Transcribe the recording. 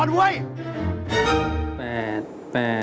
อุ๊ยตื่นเต้นไปแล้ว